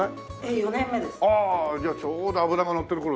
おおじゃあちょうど脂がのってる頃だね。